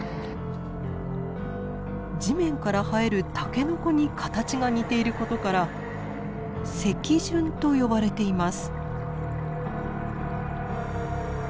地面から生えるタケノコに形が似ていることから石筍と呼ばれています。